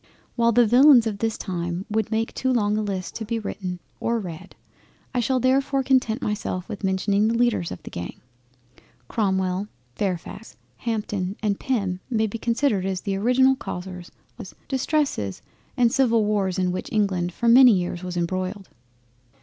While the villains of the time would make too long a list to be written or read; I shall therefore content myself with mentioning the leaders of the Gang. Cromwell, Fairfax, Hampden, and Pym may be considered as the original Causers of all the disturbances, Distresses, and Civil Wars in which England for many years was embroiled.